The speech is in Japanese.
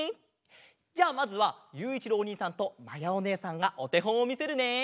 じゃあまずはゆういちろうおにいさんとまやおねえさんがおてほんをみせるね。